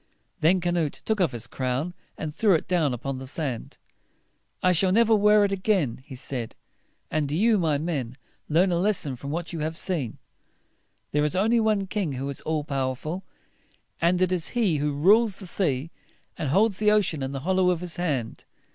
Then Canute took off his crown, and threw it down upon the sand. "I shall never wear it again," he said. "And do you, my men, learn a lesson from what you have seen. There is only one King who is all powerful; and it is he who rules the sea, and holds the ocean in the hollow of his hand.